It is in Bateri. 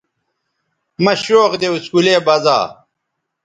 مہ شوق دے اسکولے بزا